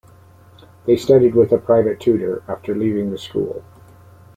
They studied with a private tutor after leaving the school.